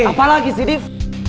apalagi sih div